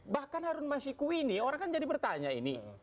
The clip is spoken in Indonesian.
bahkan harun masiku ini orang kan jadi bertanya ini